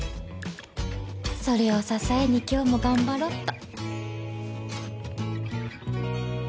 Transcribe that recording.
それを支えに今日も頑張ろっと